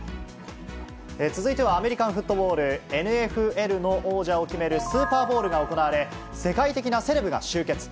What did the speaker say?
続いては、アメリカンフットボール・ＮＦＬの王者を決める、スーパーボウルが行われ、世界的なセレブが集結。